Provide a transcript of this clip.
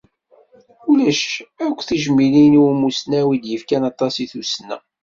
Ulac akk tijmilin i umussnaw i d-yefkan aṭas i tussna.